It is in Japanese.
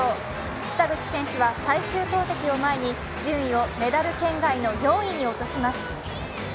北口選手は最終投てきを前に、順位をメダル圏外の４位に落とします。